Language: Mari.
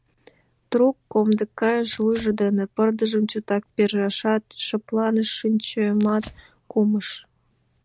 Трук комдык кайыш, вуйжо дене пырдыжым чотак перышат, шыпланыш, шинчамат кумыш.